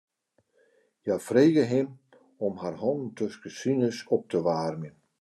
Hja frege him om har hannen tusken sines op te waarmjen.